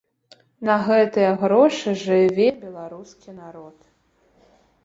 На гэтыя грошы жыве беларускі народ.